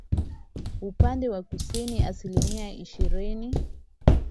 upande wa kusini Asilimia ishirini